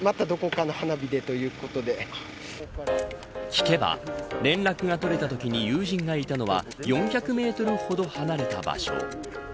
聞けば、連絡が取れたときに友人がいたのは４００メートルほど離れた場所。